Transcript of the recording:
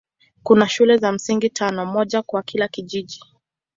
Kuna shule za msingi tano, moja kwa kila kijiji.